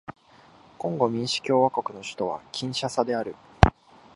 コンゴ民主共和国の首都はキンシャサである